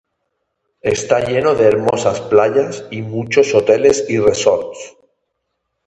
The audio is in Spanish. Está lleno de hermosas playas y muchos hoteles y resorts.